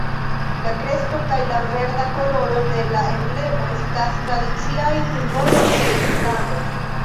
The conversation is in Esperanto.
La kresto kaj la verda koloro de la emblemo estas tradiciaj simboloj de Islamo.